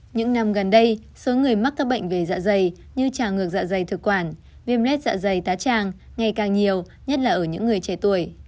những năm gần đây số người mắc các bệnh về dạ dày như trà ngược dạ dày thực quản viêm lết dạ dày tá tràng ngày càng nhiều nhất là ở những người trẻ tuổi